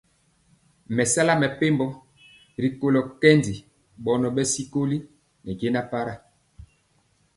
Me sala mɛpembo rikolo kɛndi bɔnɔ bɛ sikoli ne jɛna para,